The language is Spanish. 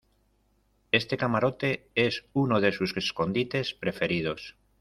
este camarote es uno de sus escondites preferidos.